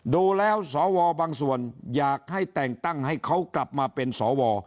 ดูแล้วสวบางส่วนอยากให้แต่งตั้งให้เขากลับมาเป็นสว